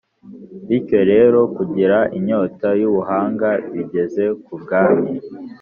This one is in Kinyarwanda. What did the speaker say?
Bityo rero, kugira inyota y’Ubuhanga bigeza ku bwami.